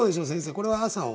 これは「朝」を？